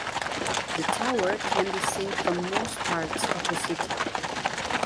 The tower can be seen from most parts of the city.